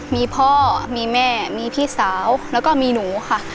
มีพ่อมีแม่มีพี่สาวแล้วก็มีหนูค่ะ